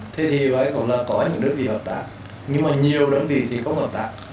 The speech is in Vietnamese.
thế thì có những đơn vị hợp tác nhưng mà nhiều đơn vị thì không hợp tác